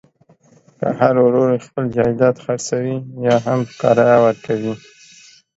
که هر ورور خپل جایداد خرڅوي یاهم په کرایه ورکوي.